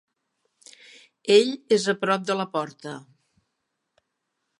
Ell és a prop de la porta.